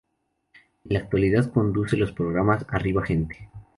En la actualidad conduce los programas "Arriba gente".